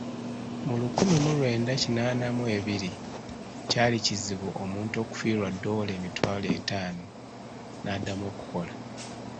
Mu lukumi mu lwenda kinaana mu ebiri kyali kizibu omuntu okufiirwa ddoola emitwalo etaano n'addamu okuloka.